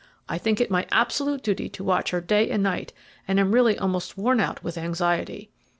I think it my absolute duty to watch her day and night, and am really almost worn out with anxiety.